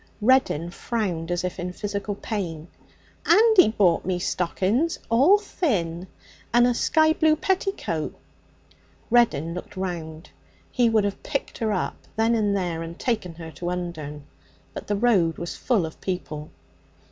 Reddin frowned as if in physical pain. 'And he bought me stockings, all thin, and a sky blue petticoat.' Reddin looked round. He would have picked her up then and there and taken her to Undern, but the road was full of people.